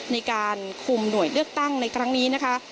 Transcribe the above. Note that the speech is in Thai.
ในการคุมหน่วยเลือกตั้งในครั้งนี้นะคะ